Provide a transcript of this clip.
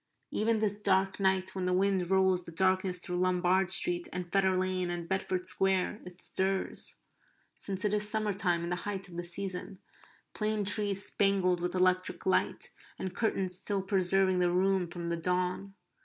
Even this dark night when the wind rolls the darkness through Lombard Street and Fetter Lane and Bedford Square it stirs (since it is summer time and the height of the season), plane trees spangled with electric light, and curtains still preserving the room from the dawn.